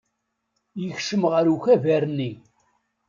Yekcem ɣer ukabar-nni.